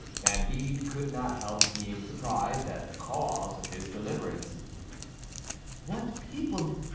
Candide could not help being surprised at the cause of his deliverance. "What people!"